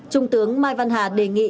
trung tướng mai văn hà đề nghị